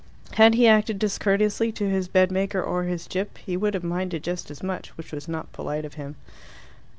Had he acted discourteously to his bedmaker or his gyp, he would have minded just as much, which was not polite of him.